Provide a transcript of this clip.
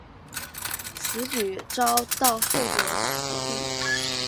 此举遭到后者否定。